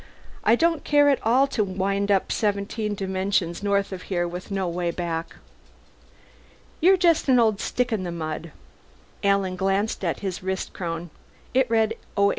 I don't care at all to wind up seventeen dimensions north of here with no way back." "You're just an old stick in the mud." Alan glanced at his wristchron. It read 0852.